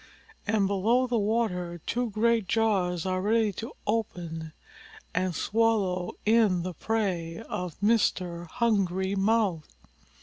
And below the water two great jaws are ready to open and swallow in the prey of Mr. Hungry Mouth.